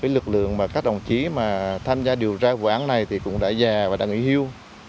lực lượng các đồng chí tham gia điều tra vụ án này cũng đã già và đã nghỉ hưu